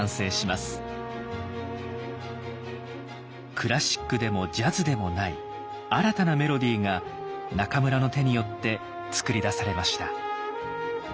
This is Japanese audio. クラシックでもジャズでもない新たなメロディーが中村の手によって作り出されました。